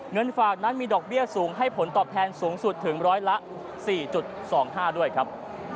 เงินฝากนั้นมีดอกเบี้ยสูงให้ผลตอบแทนสูงสุดถึงร้อยละ๔๒๕ด้วยครับ